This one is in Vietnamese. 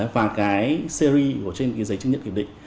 và cái series trên cái giấy chứng nhận kiểm định